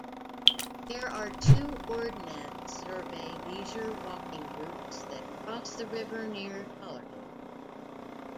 There are two Ordnance Survey Leisure Walking routes that cross the river near Tollerton.